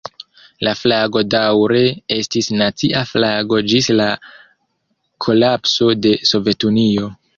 La flago daŭre estis nacia flago ĝis la kolapso de Sovetunio.